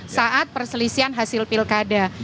saat perselisihan hasil pilkada